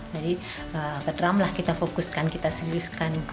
jadi ke drum lah kita fokuskan kita selisihkan